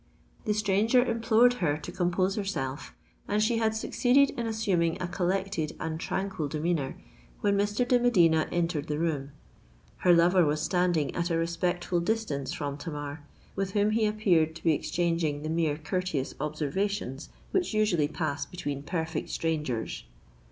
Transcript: The stranger implored her to compose herself; and she had succeeded in assuming a collected and tranquil demeanour, when Mr. de Medina entered the room. Her lover was standing at a respectful distance from Tamar, with whom he appeared to be exchanging the mere courteous observations which usually pass between perfect strangers.